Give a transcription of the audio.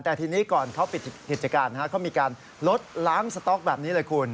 แต่ทีนี้ก่อนเขาปิดกิจการเขามีการลดล้างสต๊อกแบบนี้เลยคุณ